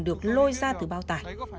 được lôi ra từ bao tải